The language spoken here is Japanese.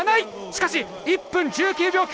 しかし、１分１９秒９６。